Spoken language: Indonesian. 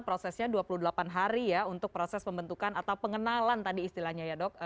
prosesnya dua puluh delapan hari ya untuk proses pembentukan atau pengenalan tadi istilahnya ya dok